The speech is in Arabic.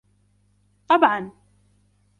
طبعا.